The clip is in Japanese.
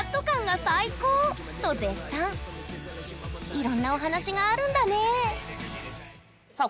いろんなお話があるんだねさあ